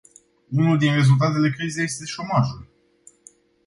Unul din rezultatele crizei este șomajul.